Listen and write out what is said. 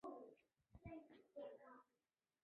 霍纳迪制造公司和手装器具出名。